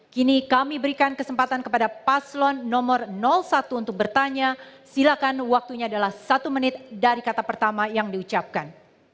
kini kami berikan kesempatan kepada paslon nomor satu untuk bertanya silakan waktunya adalah satu menit dari kata pertama yang diucapkan